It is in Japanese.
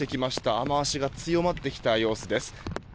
雨脚が強まってきた様子です。